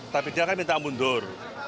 tapi dia kan minta mundur